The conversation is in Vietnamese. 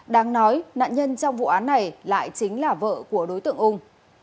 đáng nói nạn nhân trong vụ án này lại chính là vợ của đối tượng ung